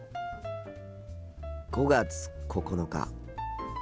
５月９日。